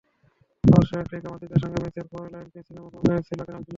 পরশু অ্যাটলেটিকো মাদ্রিদের সঙ্গে ম্যাচের পরইকার ক্যাসিয়াস মুখোমুখি হয়েছিলেন ক্যানাল প্লাসের।